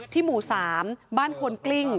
หมู่๓บ้านควนกลิ้ง